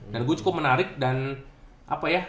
gue cukup menarik dan apa ya